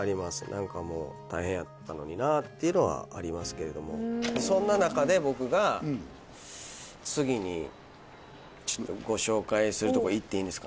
何かもう大変やったのになっていうのはありますけれどもそんな中で僕が次にちょっとご紹介するとこいっていいんですか？